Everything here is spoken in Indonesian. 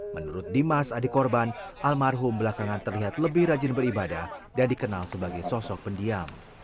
menurut dimas adik korban almarhum belakangan terlihat lebih rajin beribadah dan dikenal sebagai sosok pendiam